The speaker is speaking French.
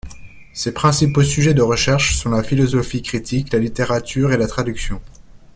Ses principaux sujets de recherche sont la philosophie critique, la littérature et la traduction.